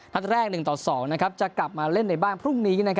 นัดแรก๑ต่อ๒จะกลับมาเล่นในบ้านพรุ่งนี้